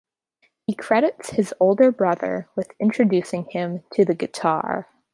He credits his older brother with introducing him to the guitar.